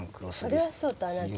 それはそうとあなた。